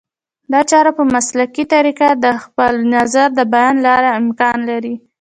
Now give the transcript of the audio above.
دا چاره په مسلکي طریقه د خپل نظر د بیان له لارې امکان لري